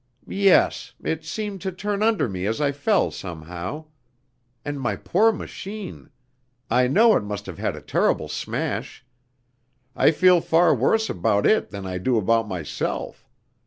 "Yes; it seemed to turn under me as I fell, somehow. And my poor machine! I know it must have had a terrible smash. I feel far worse about it than I do about myself.